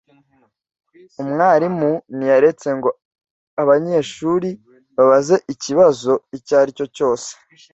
Umwarimu ntiyaretse ngo abanyeshuri babaze ikibazo icyo ari cyo cyose